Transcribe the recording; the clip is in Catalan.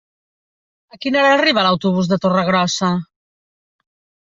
A quina hora arriba l'autobús de Torregrossa?